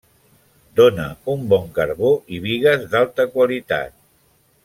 Dóna un bon carbó i bigues d'alta qualitat.